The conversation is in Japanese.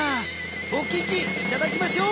おききいただきましょう。